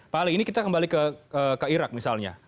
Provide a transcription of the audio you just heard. pak ali ini kita kembali ke irak misalnya